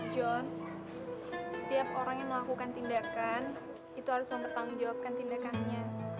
jon setiap orang yang melakukan tindakan itu harus mempertanggung jawabkan tindakannya